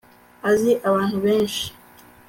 Azi abantu benshi